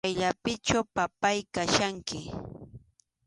Kayllapichu, papáy, kachkanki.